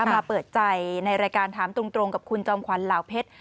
มาเปิดใจในรายการถามตรงกับคุณจอมขวัญเหล่าเพชร